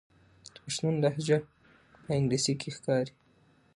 د پښتون لهجه په انګلیسي کې ښکاري.